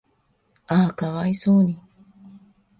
嗚呼可哀想に